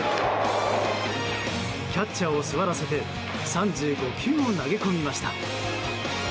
キャッチャーを座らせて３５球を投げ込みました。